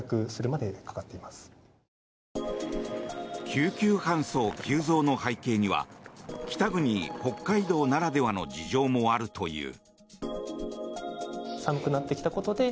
救急搬送急増の背景には北国、北海道ならではの事情もあるという。